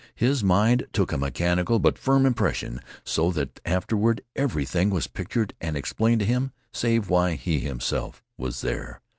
His mind took a mechanical but firm impression, so that afterward everything was pictured and explained to him, save why he himself was there.